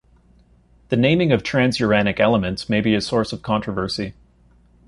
The naming of transuranic elements may be a source of controversy.